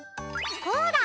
こうだ！